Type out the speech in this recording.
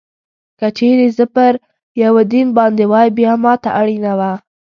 که چېرې زه پر یوه دین باندې وای، بیا ما ته اړینه وه.